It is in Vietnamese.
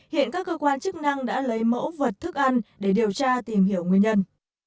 hiện các cơ quan chức năng đã lấy mẫu vật thức ăn để điều tra tìm hiểu nguyên nhân